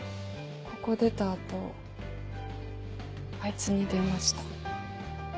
ここ出た後あいつに電話した。